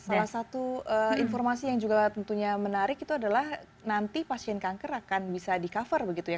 salah satu informasi yang juga tentunya menarik itu adalah nanti pasien kanker akan bisa di cover begitu ya